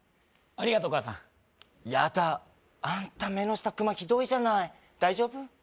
ありがとう母さんやだアンタ目の下クマひどいじゃない大丈夫？